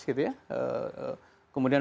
gitu ya kemudian